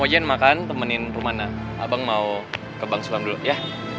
ijen makan temenin rumah na abang mau ke bang sugam dulu ya